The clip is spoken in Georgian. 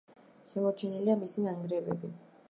შემორჩენილია მისი ნანგრევები.